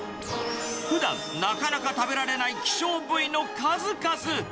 ふだん、なかなか食べられない希少部位の数々。